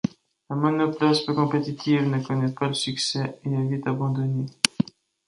La monoplace, peu compétitive, ne connaît pas le succès et est vite abandonnée.